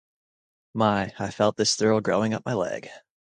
My, I felt this thrill going up my leg.